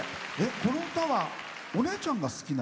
この歌はお姉ちゃんが好きな？